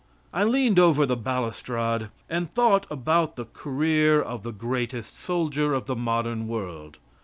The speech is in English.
I leaned over the balustrade and thought about the career of the greatest soldier of the modern world.